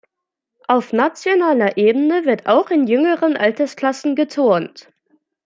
Auf nationaler Ebene wird auch in jüngeren Altersklassen geturnt.